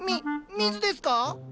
水ですか？